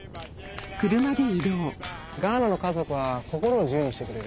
ガーナの家族は心を自由にしてくれる。